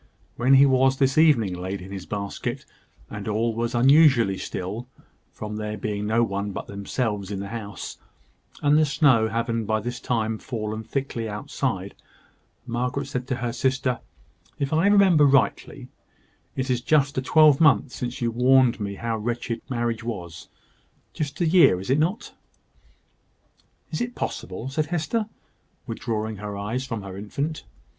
When he was this evening laid in his basket, and all was unusually still, from there being no one but themselves in the house, and the snow having by this time fallen thickly outside, Margaret said to her sister "If I remember rightly, it is just a twelvemonth since you warned me how wretched marriage was. Just a year, is it not?" "Is it possible?" said Hester, withdrawing her eyes from her infant.